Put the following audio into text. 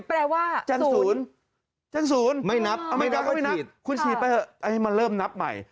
แปลว่า๐ไม่นับอเมริกาก็ไม่นับคุณเชียดไปเหอะให้มันเริ่มนับใหม่